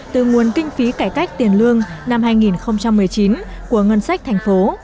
từ nguồn kinh phí cải cách tiền lương năm hai nghìn một mươi chín của ngân sách thành phố